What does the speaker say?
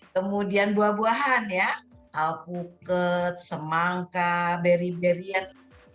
kemudian buah buahan ya alpuket semangka beri berian